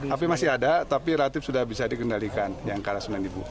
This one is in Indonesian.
api masih ada tapi ratif sudah bisa dikendalikan yang kala sunan ibu